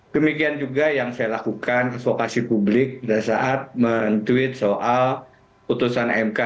demikian juga yang saya lakukan advokasi publik pada saat men tweet soal putusan mk